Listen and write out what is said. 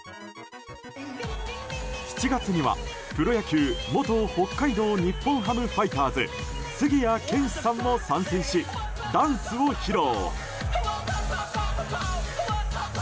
７月には、プロ野球元北海道日本ハムファイターズ杉谷拳士さんも参戦しダンスを披露。